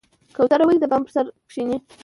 کوتره ولې د بام پر سر کیني؟